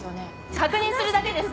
確認するだけです。